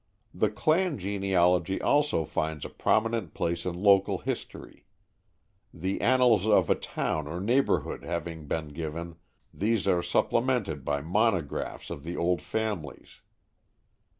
The "clan" genealogy also finds a prominent place in local history. The annals of a town or neighborhood having been given, these are supplemented by monographs on the old families.